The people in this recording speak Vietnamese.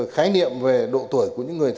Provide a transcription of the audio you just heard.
khái niệm về độ tuổi của những người đi bộ